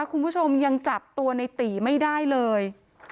คุณผู้ชมยังจับตัวในตีไม่ได้เลย